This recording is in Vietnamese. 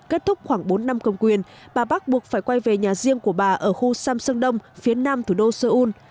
kết thúc khoảng bốn năm công quyền bà bắc buộc phải quay về nhà riêng của bà ở khu samson đông phía nam thủ đô seoul